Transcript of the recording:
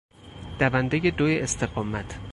دوندهی دو استقامت